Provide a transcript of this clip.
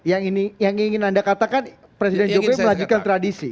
yang ini yang ingin anda katakan presiden jokowi melanjutkan tradisi